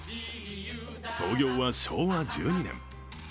創業は昭和１２年。